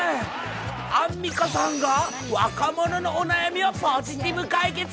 アンミカさんが若者のお悩みをポジティブ解決。